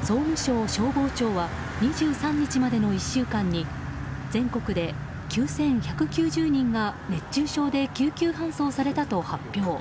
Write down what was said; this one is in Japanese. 総務省消防庁は２３日までの１週間に全国で９１９０人が熱中症で救急搬送されたと発表。